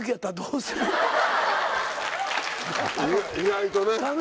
意外とね。